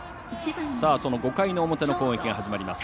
その５回の表の攻撃が始まります。